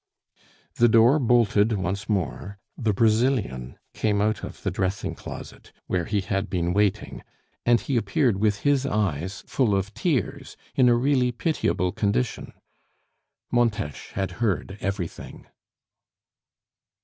The door bolted once more, the Brazilian came out of the dressing closet, where he had been waiting, and he appeared with his eyes full of tears, in a really pitiable condition. Montes had heard everything.